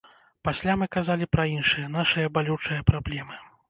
Пасля мы казалі пра іншыя нашыя балючыя праблемы.